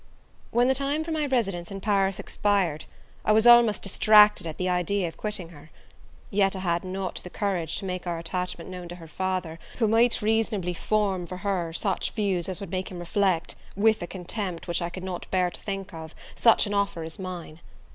When the time for my residence in Paris expired, I was almost distracted at the idea of quitting her; yet I had not the courage to make our attachment known to her father, who might reasonably form for her such views as would make him reflect, with a contempt which I could not bear to think of, such an offer as mine.